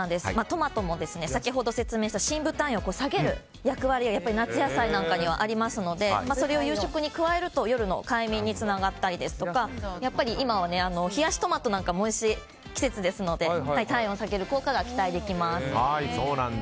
トマトも先ほど説明した深部体温を下げる役割が夏野菜なんかにはありますのでそれを夕食に加えると夜の快眠につながったり今は冷やしトマトなんかもおいしい季節ですので体温を下げる効果が期待できます。